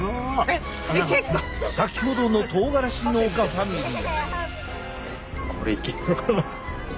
先ほどのとうがらし農家ファミリー。